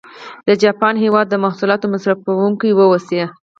د جاپان هېواد د محصولاتو مصرف کوونکي و اوسي.